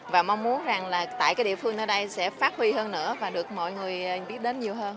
và mong muốn rằng là tại cái địa phương ở đây sẽ phát huy hơn nữa và được mọi người biết đến nhiều hơn